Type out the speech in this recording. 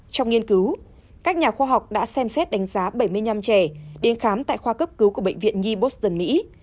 trong nghiên cứu các nhà khoa học đã xem xét đánh giá bảy mươi năm trẻ đến khám tại khoa cấp cứu của bệnh viện nhi boston mỹ